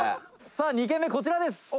「さあ２軒目こちらです」